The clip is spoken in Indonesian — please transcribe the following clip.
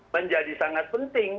menjadi sangat penting